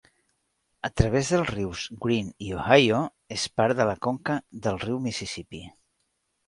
A través dels rius Green i Ohio, és part de la conca del riu Mississipí.